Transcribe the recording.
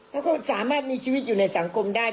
แล้วก็สามารถมีชีวิตอยู่ในสังคมได้